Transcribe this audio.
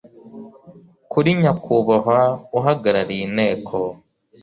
kuri nyakubahwa uhagarariye inteko